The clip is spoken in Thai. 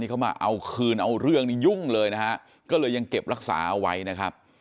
เขามาเอาคืนเอาเรื่องนี้ยุ่งเลยนะฮะก็เลยยังเก็บรักษาเอาไว้นะครับ